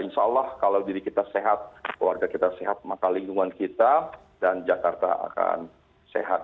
insya allah kalau diri kita sehat keluarga kita sehat maka lingkungan kita dan jakarta akan sehat